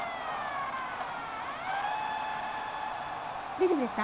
☎大丈夫ですか？